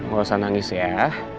gak usah nangis ya